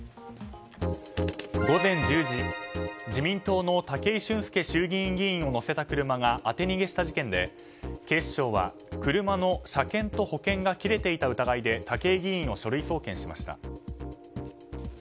午前１０時自民党の武井俊輔衆議院議員を乗せた車が当て逃げした事件で警視庁は車の車検と保険が切れていた疑いで武井議員を書類送検しました。